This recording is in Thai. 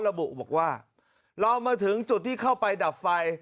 ระบุบอกว่าเรามาถึงจุดที่เข้าไปดับไฟ